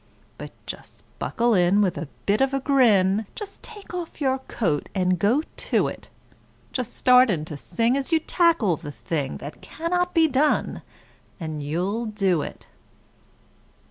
But just buckle in with a bit of a grin, Just take off your coat and go to it; Just start in to sing as you tackle the thing That "cannot be done," and you'll do it.